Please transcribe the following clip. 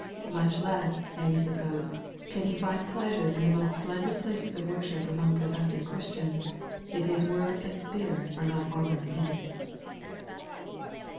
Much less, may we suppose, can he find pleasure in the most splendid places of worship among professing Chris tians, it' His Word and His Spirit are not honored in it.